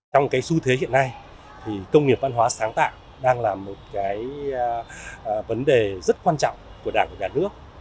trong cái xu thế hiện nay thì công nghiệp văn hóa sáng tạo đang là một cái vấn đề rất quan trọng của đảng và nhà nước